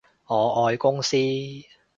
我愛公司